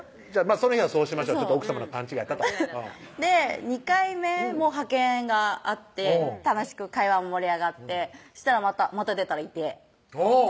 その日はそうしましょう奥さまの勘違いやったと２回目も派遣があって楽しく会話も盛り上がってしたらまた出たらいておぉ！